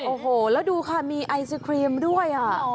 โอ้โหแล้วดูค่ะมีไอศครีมด้วย